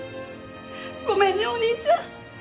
ごめんねお兄ちゃん。